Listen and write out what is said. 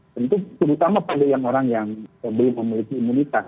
tentu terutama pada yang orang yang belum memiliki imunitas